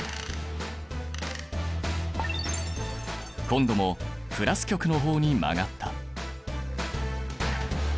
今度もプラス極の方に曲がった。